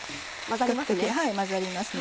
混ざりますね。